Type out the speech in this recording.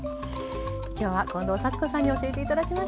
きょうは近藤幸子さんに教えて頂きました。